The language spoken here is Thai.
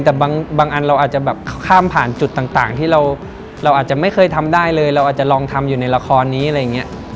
แต่บางอันเราอาจจะแบบข้ามผ่านจุดต่างที่เราอาจจะไม่เคยทำได้เลยเราอาจจะลองทำอยู่ในละครนี้อะไรอย่างนี้